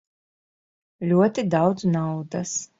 Ļoti daudz naudas.